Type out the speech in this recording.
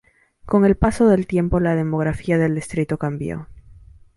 Con el paso del tiempo, la la demografía del distrito cambió.